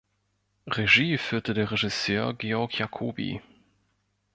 Regie führte der Regisseur Georg Jacoby.